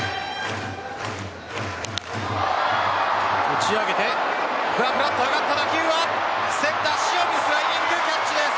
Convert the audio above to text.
打ち上げてふらふらっと上がった打球はセンター・塩見スライディングキャッチです。